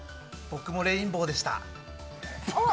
僕もレインボーでした。